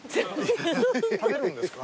食べるんですか？